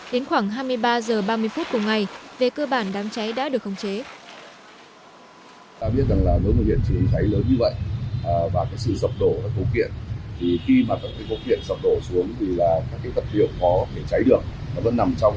đến khoảng hai mươi ba h ba mươi phút cùng ngày về cơ bản đám cháy đã được khống chế